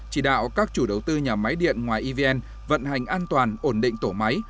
chỉ đạo các chủ đầu tư nhà máy điện ngoài evn vận hành an toàn ổn định tổ máy